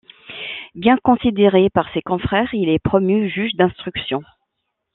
Bien considéré par ses confrères, il est promu juge d'instruction.